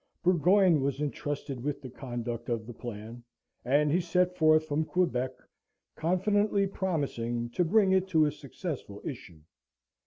Burgoyne was entrusted with the conduct of the plan, and he set forth from Quebec, confidently promising to bring it to a successful issue.